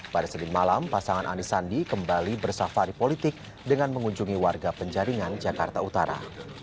pada senin malam pasangan ani sandi kembali bersafari politik dengan mengunjungi warga penjaringan jakarta utara